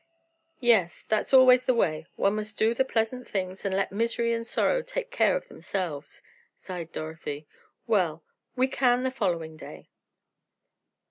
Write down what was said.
"Yes, that's always the way, one must do the pleasant things, and let misery and sorrow take care of themselves," sighed Dorothy. "Well, we can the following day."